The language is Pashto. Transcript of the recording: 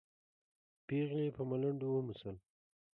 پېغلې په ملنډو وموسل.